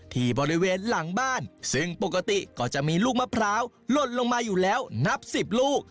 ที่บริเวณหลังบ้านซึ่งปกติก็จะมีลูกมะพร้าวหล่นลงมาอยู่แล้วนับสิบลูก